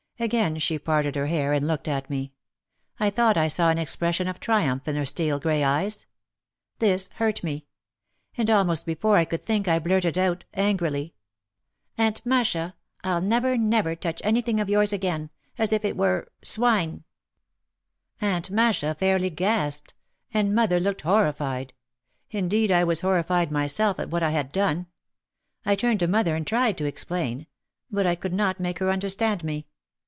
Again she parted her hair and looked at me. I thought I saw an expression of triumph in her steel grey eyes. This hurt me. And almost before I could think I blurted out, angrily, "Aunt Masha, I'll never, never, touch anything of yours again, as if it were — swine!" 40 OUT OF THE SHADOW Aunt Masha fairly gasped. And mother looked hor rified. Indeed, I was horrified myself at what I had done. I turned to mother and tried to explain. But I could not make her understand me.